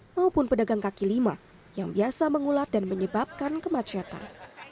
maupun pedagang kaki lima yang biasa mengulat dan menyebabkan kemacetan